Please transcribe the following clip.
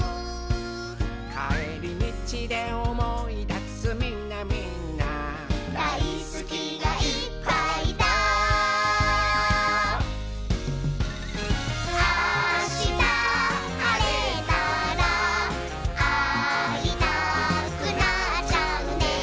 「かえりみちでおもいだすみんなみんな」「だいすきがいっぱいだ」「あしたはれたらあいたくなっちゃうね」